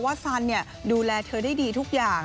ว่าสัลน์เนี่ยดูแลเธอได้ดีทุกอย่าง